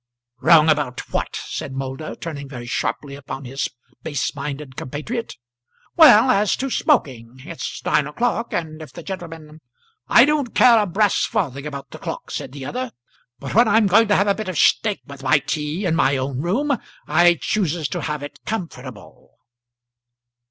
"Wrong about what?" said Moulder, turning very sharply upon his base minded compatriot. "Well, as to smoking. It's nine o'clock, and if the gentleman " "I don't care a brass farthing about the clock," said the other, "but when I'm going to have a bit of steak with my tea, in my own room, I chooses to have it comfortable."